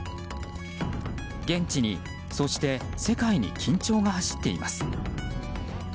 現地に、そして世界に緊張が走っています。